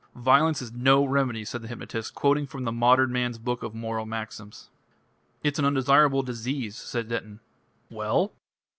"Violence is no remedy," said the hypnotist, quoting from the "Modern Man's Book of Moral Maxims." "It's an undesirable disease," said Denton. "Well?"